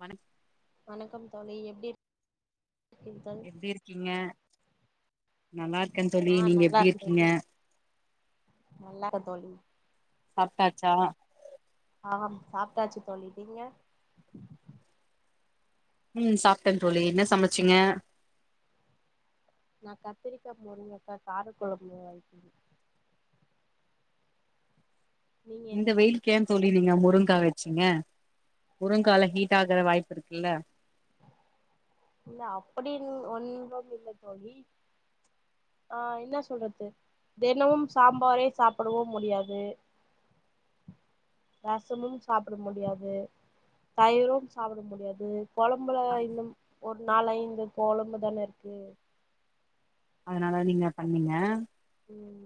வணக் வணக்கம் தோழி எப்டி இருக் எப்டி இருக்கீங்க நல்லா இருக்கன் தோழி ஆ நீங்க நல்லா எப்டி இருக்க இருக்கீங்க தோழி நல்லா இரு தோழி சாப்டாச்சா ஆம் சாப்டாச்சு தோழி நீங்க ம் சாப்டன் தோழி என்ன சமச்சிங்க நா கத்திரிக்கா முருங்ககா காரகொழம்பு வக்கிற நீங்க இந்த என்ன வெயில்க்கு ஏ சமைத்தீர்கள் தோழி நீங்க முருங்கா வெச்சீங்க முருங்கால ஹீ்ட் ஆகுற வாய்ப்பிருகுல்ல இல்ல அப்டின் ஒன்றும் இல்ல தோழி ஆ என்ன சொல்றத்து தெனமும் சாம்பாரே சாப்டவும் முடியாது ரசமும் சாப்புட முடியாது தயிரும் சாப்புட முடியாது கொழம்புல இன்னும் ஒரு நாளைந்து கொழம்புதானேருக்கு அதனால நீங்க பண்ணீங்க ம்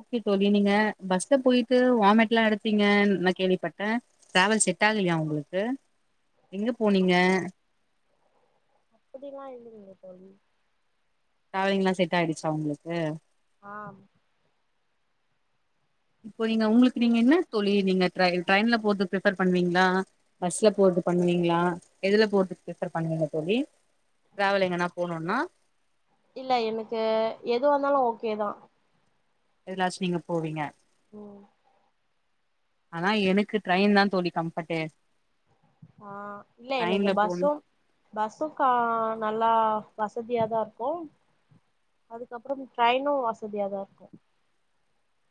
ஓக்கே தோழி நீங்க பஸ்ல பொய்ட்டு வாமிட்லா எடுத்திங்கன் நா கேள்விபட்ட ட்ராவல் செட் ஆகுலயா உங்குளுக்கு எங்க போனீங்க அப்புடிலா இல்லிங்ளே தோழி ட்ராவலி்ங்லா செட் ஆய்டுச்சா உங்ளுக்கு ஆம் இப்போ நீங்க உங்ளுக் நீங்க ம் என்ன தோழி நீங்க ட்ரைன் ட்ரைன்ல போறது ப்ரிஃபேர் பண்வீங்ளா பஸ்ல போறது பண்வீங்ளா எதுல போறது ப்ரஃவர் பண்வீங்க தோழி ட்ராவல் எங்கனா போணுன்னா இல்ல எனுக்கு எதுவாந்தாலு ஓக்கே தா எதுலாச் நீங்க போவீங்க ம் ஆனா எனக்கு ட்ரையின் தா தோழி கம்ஃபர்ட்டு ஆ இல்ல என்னக்கு ட்ரெயின்ல போணு பஸும் பஸுக்கா நல்லா வசதியாதா இருக்கு அதுகபறம் ட்ரைனு வசதியா தா இருக்கு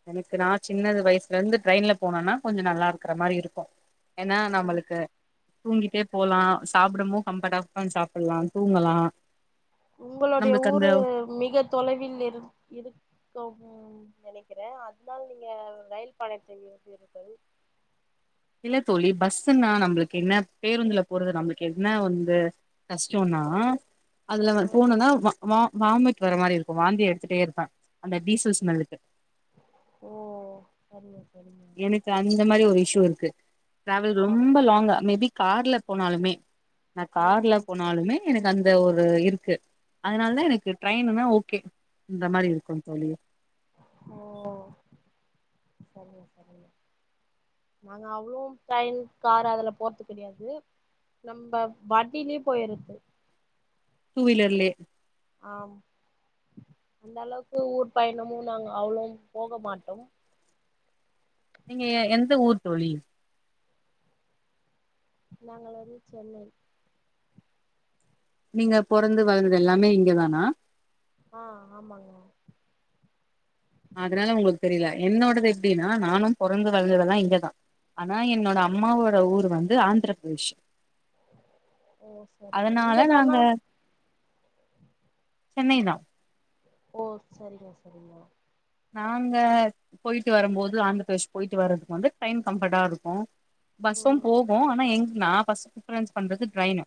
எனக்கு நா சின்னது வயசுலருந்து ட்ரெயின்ல போனனா கொஞ்ச நல்லாருக்ற மாரி இருக்கு என்னா ம் நம்மளுக்கு தூங்கீட்டே போலா சாப்டபோ கம்ஃபட்டா உக்காந் சாப்புல்லா தூங்கலா உங்களொடைய நம்மளுக்கு அந்த ஊரு மிக தொலைவில் இரு இருக்கவு ம் நெனகிற அத்னால நீங்க ரயில் பயணத்தை விரும்புவீர்கள் இல்ல தோழி பஸ்ஸுன்னா நம்ளுக் என்ன பேருந்துல போறது நம்ளுக் என்ன வந்து கஷ்டோனா அதுல வ ம் போனுன்னா வ வா வாமிட் வர மாரி இருக்க வாந்தி எடுதுட்டே இருப்பே அந்த டீசல் ஸ்மெல்லுக்கு ஓ சரிங்க சரிங்க எனக்கு அந்த மாரி ஒரு இஷ்யூ இருக்கு ட்ராவல் ஆ ரொம்ப லாங்கா மே பி கார்ல போனாலுமே நா கார்ல ம் ம் போனாலுமே எனக்கு அந்த ஒரு இருக்கு அதனால தா எனக்கு ட்ரைனுனா ஓகே இந்த மாரி இருக்கும் தோழி ஓ சரிங்க சரிங்க நாங்க அவ்ளோம் ட்ரைன் கார் அதல போற்த்து கெடையாது நம்ப வண்டிலியே போயிரது டூ வீலர்லே ஆம் அந்த அளவுகு ஊர் பயணமு நாங்க அவ்ளோம் போகமாட்டோம் நீங்க எ எந்த ஊர் தோழி நாங்கள் வந்து சென்னை நீங்க பொறந்து வளந்தது எல்லாமே இங்கதானா ஆ ஆமாங் அதனால உங்களுக்கு தெரில என்னோடது எப்டின்னா நானு பொறந்து வளந்ததெல்லா இங்கதா ஆனா என்னோட அம்மாவோட ஊரு வந்து ஆந்திர பிரதேஷ் ஓ சரிங்க அதனால இங்க தானா நாங்க சென்னைதா ஓ செரிங் செரிங் நாங்க போயிட்டு வரும்போது ஆந்திர ப்ரதேஷ் போயிட்டு வரம்போது டைம் கம்ஃபர்ட்டா இருக்கு பஸ்சு ம் போகு ஆனா எங் நா ஃபஸ்ட் பிபரன்ஸ் பண்றது டிரெயினு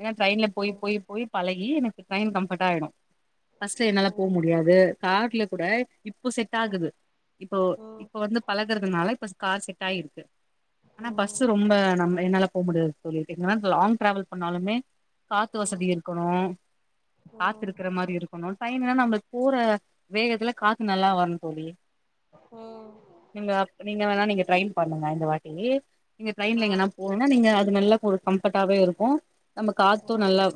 ஏன்னா டிரெயின்ல போய் ம் போய் போய் பழகி எனக்கு டிரெயின் கம்ஃபர்ட்டா ஆகிடு பஸ்ல்ல என்னால போ ம் முடியாது கார்ல கூட இப்போ செட் ம் ஆகுது இப்போ ம் இப்ப வந்து பழகுறதுனால இப்ப கார் செட் ஆகிருக்கு ஆனா பஸ் ம் ரொம்ப நம் என்னால போ முடியாது தோழி என்னால லாங் டிராவல் பண்ணாலுமே காத்து ம் வசதி இருக்கணு காத்து ம் இருக்கிற மாரி இருக்கணு டிரெயின்னா நம்மளுக்கு போற வேகத்துல காத்து நல்லா வருந் தோழி ம் நீங்க வேணா நீங்க ட்ரை பண்ணுங்க இந்த வாட்டி நீங்க ஆ டிரென்ல எங்கனா போ போனா நீங்க அது நல்லா ஒரு கம்ஃபர்டாவே இருக்கு நம்ம ஓ காத்து நல்லா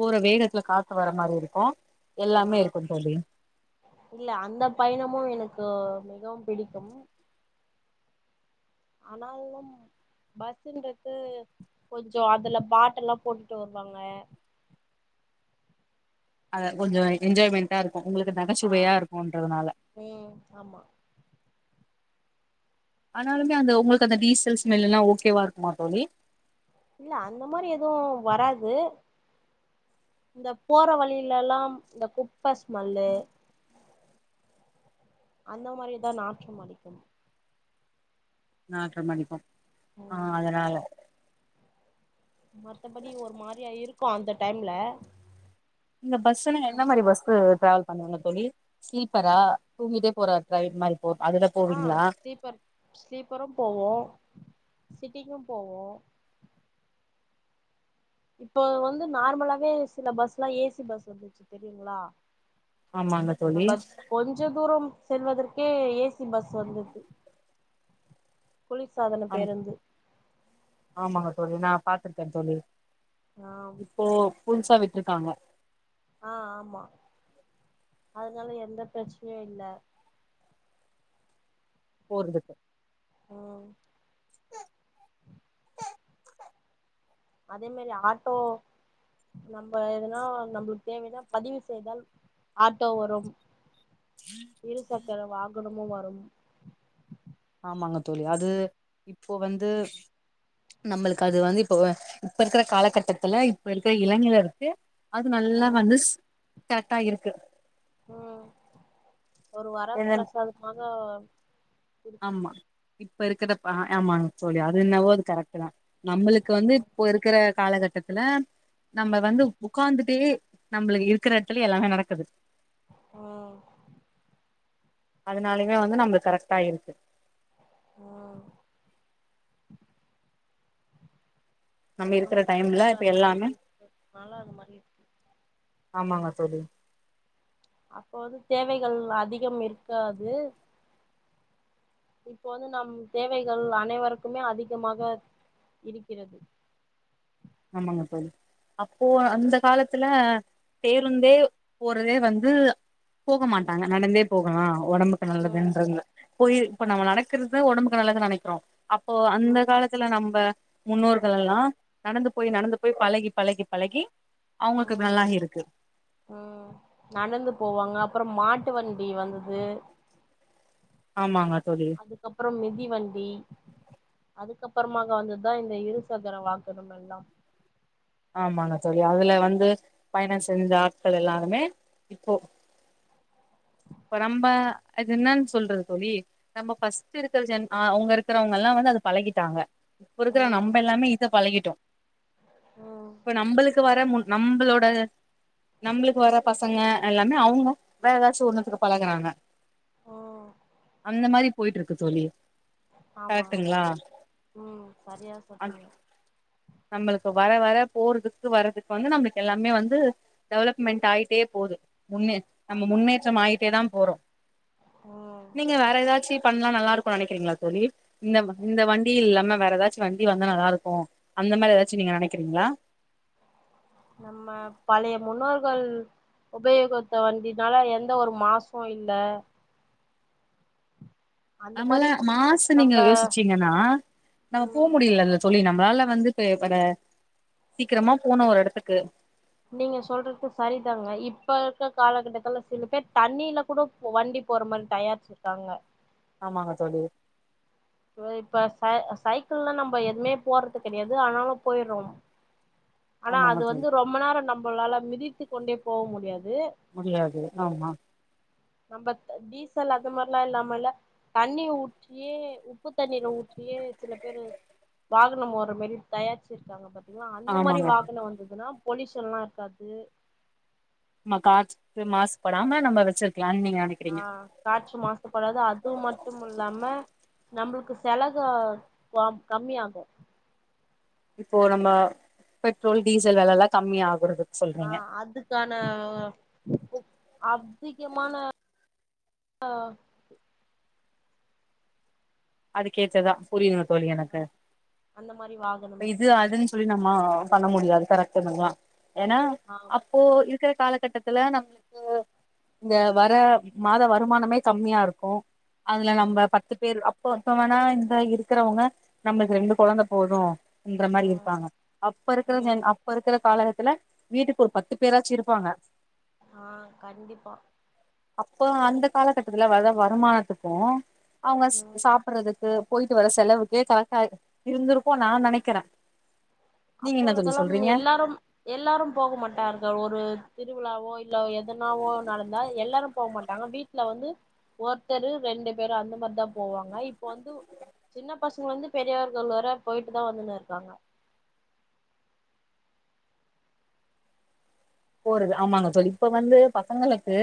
போற வேகத்துல காத்து வர மாரி இருக்கு ஆ எல்லாமே இருக்கு தோழி இல்ல அந்த பயணமு எனக்கு மிகவும் பிடிக்கு ஆனால் பஸ்ன்றது கொஞ்சோ அதுல பாட்டெல்லா போட்டுட்டு வருவாங்க ஆ கொஞ்சோ என்ஜாய்மெண்ட்டா இருக்கு உங்களுக்கு ஆ நகைச்சுவையா இருக்குன்றதுனால ம் ஆமா ஆனாலுமே அந்த உங்களுக்கு அந்த டீசைல் ஸ்மெல் எல்லா ஓகேவா இருக்குமா தோழி இல்ல அந்த மாரி எது வராது இந்த போற வழியில எல்லா இந்த கு குப்ப ஸ்மெலு அந்த மாரிதா நாற்றம் அடிக்கும் நாற்றம் அடிக்கும் ஆ ம் அதனால மத்தபடி ஒரு மாரியா இருக்கு அந்த டைம்ல நீங்க பஸ்சு என்ன மாரி பஸ்சு டிராவல் பண்ணுவீங்க தோழி ஸ்லீப்பரா தூங்கிட்டே போற டிரையின் மாரி போ அதுல ஆ போவீங்களா ஸ்லீப்பர் ஸ்லீப்பரு போவோ சிட்டிங்கு போவோ இப்போ வந்து நார்மலாவே சில பஸ்லா ஏ சி பஸ் வந்துச்சு தெரியுங்களா ஆமாங்க தோழி நம்ம கொஞ்ச தூரம் செல்வதற்கே ஏ சி பஸ் வந்து குளிர் சாதன ஆம் பேருந்து ஆமாங்க தோழி நா பாத்திருக்கே தோழி ஆ இப்போ புதுசா விட்ருக்காங்க ஆ ஆமா அதனால எந்த பிரச்சனையு இல்ல போறதுக் ம் [inaudible] அதே மாரி ஆட்டோ நம்ம எதுனா நம்மளுக்கு தேவைனா பதிவு செய்தால் ஆட்டோ வரும் [inaudible] இரு சக்கர வாகனமு வரு ஆமாங்க தோழி அது இப்போ வந்து நம்பளுக்கு அது வந்து இப்போ இப்ப இருக்ற காலக்கட்டத்துல இப்ப இருக்ற இளஞர்களுக்கு அது நல்லா ம் வந்து [unintelligible] ட்டாட்ட இருக்கு ம் ஒரு வர பிரசாதமாக ஆமா இப்ப இருக்ற பா ஆமாங் தோழி அது என்னவோ அது கரெட்டு தா நம்பளுக்கு வந்து ம் இப்போ இருக்ற காலகட்டத்துல நம்ப வந்து உக்காந்துட்டே நம்பளுக்கு இருக்ற எடத்ல எல்லாமே நடக்குது ம் அதனாலேயுமே வந்து நம்பளுக்கு கரெக்டா இருக்கு ம் இருக்கிற நம்ம டைம்ல சூழ்நெல இப்ப அது மாரி எல்லாமே இருக்கிது அதனால அது மாரி இருக் ஆமாங்க தோழி அப்ப வந்து தேவைகள் அதிகம் இருக்காது இப்போ வந்து நம் தேவைகள் அனைவருக்குமே அதிகமாக இருக்கிறது ஆமாங்க தோழி அப்போ அந்த காலத்துல பேருந்தே போறதே வந்து போக மாட்டாங்க நடந்தே போகலா ஒடம்புக்கு ம் நல்லதுன்றங்க போய் இப்ப நம்ம நடக்கறது ஒடம்புக்கு நல்லதுன் நெனக்கிறோ அப்போ அந்த ம் காலத்துல நம்ப முன்னோர்கள் எல்லா நடந்து போய் நடந்து போய் பழகி பழகி பழகி அவுங்களுக்கு ம் நல்லாகி இருக்கு ம் நடந்து போவாங்க அப்றோ மாட்டு வண்டி வந்துது ஆமாங்க தோழி அதுக்கப்றோ மிதிவண்டி அதுக்கப்றமாக வந்தது தா இந்த இருசக்கர வாகனமெ ல்லாம் ஆமாங்க தோழி அதுல வந்து பயணம் செஞ்ச ஆட்கள் எல்லாருமே இப்போ இப்ப நம்ப அது என்னான் சொல்றது தோழி நம்ம ஃபஸ்ட்டு இருக்ற ஜன் ஆ அவுங்க இருக்றவங்க எல்லா வந்து அது பழகிட்டாங்க இப்போ இருக்ற ம் நம்ப எல்லாமே இத பழகிட்டோம் ம் இப்ப நம்பளுக்கு வர மு நம்பளோட நம்பளுக்கு வர பசங்க எல்லாமே அவுங்க வேற ஏதாச்சு ஒன்னுத்ல பழகறாங்க ஓ இந்த மாரி போயிட்ருக்கு தோழி ஆமா ஆமா கரெக்ட்டுங்களா ம் சரியா சொன்னிங்க நம்பளுக்கு வர வர போறதுக்கு வர்றதுக்கு வந்து நம்பளுக்கு எல்லாமே வந்து டெவலப்மென்ட் ஆயிட்டே போது ஒன்னு நம்ம முன்னேற்றம் ஆயிட்டே தா போறோம் ம் ல்ல வேற ஏதாச்சு பண்ணா நல்லா இருக்குன் நெனக்றீங்களா தோழி இந்த இந்த வண்டி இல்லாம வேற ஏதாச்சும் வண்டி வந்தா நல்லாருக்கு அந்த மாரி ஏதாச்சு நீங்க நெனக்கிறீங்களா நம்ம பழைய முன்னோர்கள் உபயோகுத்த வண்டினால எந்த ஒரு மாசு இல்ல அந்த நம்பள மாரி மாசு நீங்க நம்ப யோசிச்சு ஏன்னா நம்ம போ ம் முடில ல தோழி நம்மளால வந்து இப்ப வர சீக்கிரமா போனு ஒரு எடத்துக்கு நீங்க சொல்றது சரிதாங்க இப்ப இருக்ற காலகட்டத்துல சில பேர் தண்ணியில கூட வண்டி போற மாரி தயாரிச்சிருக்காங்க ஆமாங்க தோழி ஏ இப்ப ச சைக்கிள்லா நம்ம எதுவுமே போறது கெடையாது ஆனாலு போயிறோம் ஆனா ஆமாங்க அது தோழி வந்து ரொம்ப நேர நம்மளால மிதித்து கொண்டே போக முடியாது முடியாது ஆமா நம்ம த டீசல் அது மாதிரிலா இல்லாம இல்ல தண்ணி ஊற்றியே உப்பு தண்ணீரை ஊற்றியே சில பேரு வாகனம் ஓடுற மாரி தயாரிச்சிருக்காங்க ப ங்களா அந்த மாதிரி ஆமாங்க தோழி வாகனம் வந்ததுன்னா பொலயூஷன்ல்லா இருக்காது ஆமா காற்று வந்து மாசுபடாம நம்ம வச்சிருக்கலா நீங்க அன்னைக் ஆ காற்று மாசுபடாது அது மட்டும் இல்லாம நம்மளுக்கு செலக வாம் கம்மியாகு இப்போ நம்ம பெட்ரோல் டீசல் வெலல்லா கம்மி ஆகுறது ஆ அது க்கான அதிகமான அ அது கேத்ததா புரியனுங்க தோழி எனக்கு அந்த மாரி இது வாகனங்கள் அது வந்துட்டா சொல்லி நம்ம பண்ண முடியாது கரெ்டடுதா ஏன்னா ஆ அப் இப்போ இருக்குற காலகட்டத்துல நம்மளுக்கு இந்த வர மாத வருமானமே கம்மியா இருக்கு அதுல ம் நம்ம பத்து பேரு இப்போ இப்போ வேணா இந்த இருக்குறவங்க நம்மளுக்கு ரெண்டு கொழந்த போது ன்ற மாரி ம் இருப்பாங்க அப்ப இருக்கிறது ம் ஜென் அப் அப்ப இருக்கிற காலகத்துல வீட்டுக்கு ஒரு பத்து பேராச்சு இருப்பாங்க ஆ கண்டிப்பா அப்போ அந்த காலகட்டத்துல வர வருமானத்துக்கு அவங்க ஸ் ம் சாப்பறதுக் க்கு போயிட்டு வர செலவுக்கே தலக்க இருந்திருக்கு நா நெனைக்கிறே நீங்க என்ன தோழி அப்பொழுதெல்லாம் சொல்றீங்க எல்லாரும் எல்லாரும் போக மாட்டார்கள் ஒரு திருவிழாவோ இல்ல எதனாவோ நடந்தா எல்லாரு போ மாட்டாங்க வீட் ல வந்து ஒருத்தரு ரெண்டு பேரு அந்த மாரிதா போவாங்க இப்ப வந்து சின்ன பசங்க வந்து பெரியவர்கள் வர போயிட்டு தா வந்துன்னு இருக்காங்க போறது ஆமாங்க தோழி இப்ப வந்து பசங்களுக்கு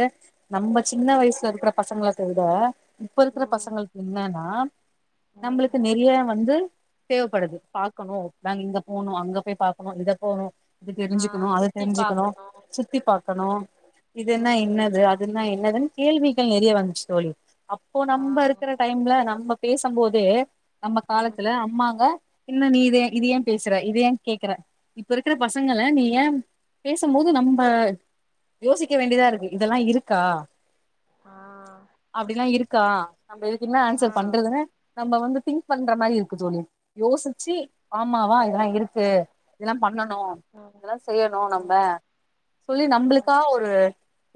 நம்ம சின்ன ம் வயசுல இருக்குற பசங்களுக் த விட இப்ப இருக்குற ம் பசங்களுக்கு என்னன்னா ம் நம்மளுக்கு நெறைய வந்து தேவைப்படுது பாக்கணு நாங்க இங்க போகணு அங்க போய் பாககணு இத போணு இது ஆ தெரிஞ்சுக்கணு அது சுத்தி தெரிஞ்சுக்கணு பாக்கணு சுத்தி பாக்கணு ம் இதுன்னா ம் என்னது அதுன்னா என்னதுன்னு கேள்விகள் நெறைய வந்துச்சு தோழி அப்போ ஆ நம்ம இருக்குற டைம்ல நம்ம பேசும் போதே நம்ம ம் காலத்துல அம்மாங்க இன்ன நீ இத இது ஏ பேசுற இது ஏ கேக்குற இப்ப இருக்கிற பசங்க நீ ஏ த்தும் போது நம்ம யோசிக்க வேண்டியதா இருக்கு இதெல்லா இருக்கா ஆ அப்படிலா இருக்கா நம்ம இதுக்கு என்ன ஆ ஆன்சர் பண்றதுன்னு நம்ம வந்து திங்க் பண்ற மாரி இருக்கு தோழி யோசிச்சு ஆமாவா இதெல்லா இருக்கு இதெல்லா பண்ணணு ம் அதெல்லா செய்யணு நம்ம ம் தோழி ம் நம்மளுக்கா ஒரு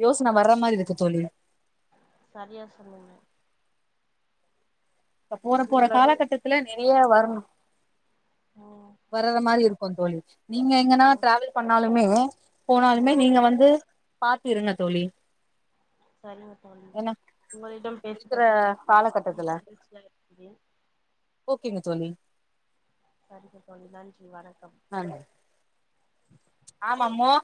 யோசன வர்ற மாரி இருக்கு தோழி சரியா சொன்னிங்க இப்ப போற போற உங்களோட காலகட்டத்துல நெறைய வரணு உம் வர்ற மாதிரி இருக்கும் தோழி நீங்க எங்கன்னா ம் ட்ராவல் பண்ணாலுமேவூ போனாலுமே ம் நீங்க வந்து பாத்து இருங்க தோழி சரிங்க தோழி ஏன்னா உங்களிடம் இருக்கிற பேசுனது நா ரொம்ப காலகட்டத்துல மகிழ்ச்சியாக இருக்கிறேன் ஓகேங்க தோழி சரிங்க க தோழி நன்றி வணக்கம் ஆமா ஆமா மோர்